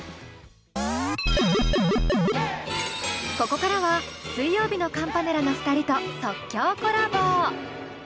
ここからは水曜日のカンパネラの２人と即興コラボ。